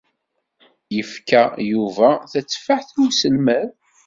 Yefka Yuba tatteffaḥt i uselmad.